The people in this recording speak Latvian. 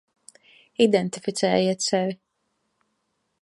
Identificējiet sevi.